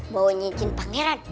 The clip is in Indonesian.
bau nyicin pangeran